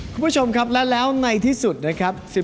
คุณผู้ชมครับและแล้วในที่สุดนะครับ